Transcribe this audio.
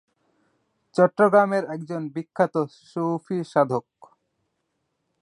চট্টগ্রামের একজন বিখ্যাত সুফি সাধক।